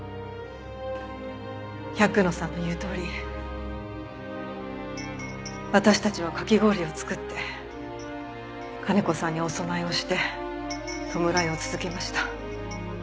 百野さんの言うとおり私たちはかき氷を作って金子さんにお供えをして弔いを続けました。